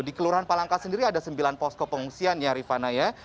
di kelurahan palangka sendiri ada sembilan posko pengungsian ya rifana ya